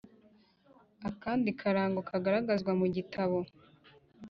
akandi karango kagaragazwa mu gitabo